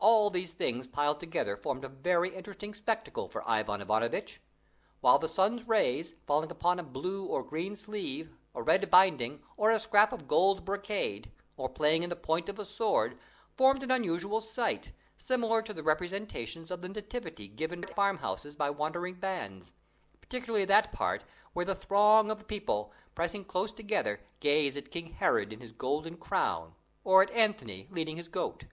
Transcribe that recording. All these things piled together formed a very interesting spectacle for Ivan Ivanovitch; while the sun's rays, falling upon a blue or green sleeve, a red binding, or a scrap of gold brocade, or playing in the point of a sword, formed an unusual sight, similar to the representations of the Nativity given at farmhouses by wandering bands; particularly that part where the throng of people, pressing close together, gaze at King Herod in his golden crown or at Anthony leading his goat.